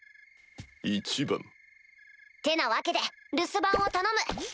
一番。ってなわけで留守番を頼むなっ？